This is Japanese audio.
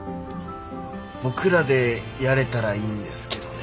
僕らでやれたらいいんですけどね。